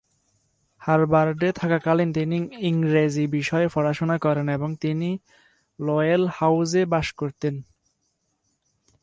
হার্ভার্ডে থাকাকালীন তিনি ইংরেজি বিষয়ে পড়াশোনা করেন এবং তিনি "লোয়েল হাউজে" বাস করতেন।